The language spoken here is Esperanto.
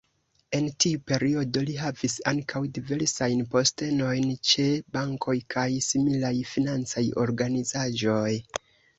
En tiu periodo li havis ankaŭ diversajn postenojn ĉe bankoj kaj similaj financaj organizaĵoj.